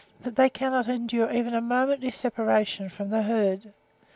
that they cannot endure even a momentary separation from the herd.